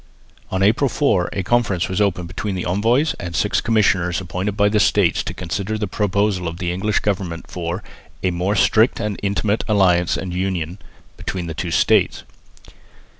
On April 4 a conference was opened between the envoys and six commissioners appointed by the States to consider the proposals of the English Government for "a more strict and intimate alliance and union" between the two states.